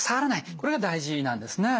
これが大事なんですね。